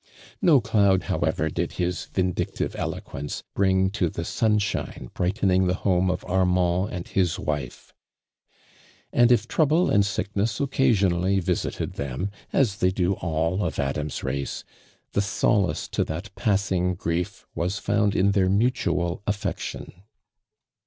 7T No cloud however did hiu vindictive pIo (|Uence bring to the suniOiino brightening the homo of Armund ami bin wife ; and if" trouble and sicknenH ocoasionally visited them, HM they do all of Adam's mce, the so lace to that passing grief was found in their mutual aHcction.